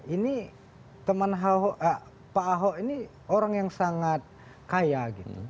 ini teman pak ahok ini orang yang sangat kaya gitu